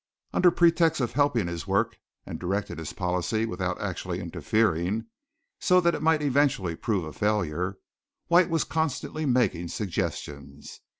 Under pretext of helping his work and directing his policy without actually interfering so that it might eventually prove a failure, White was constantly making suggestions.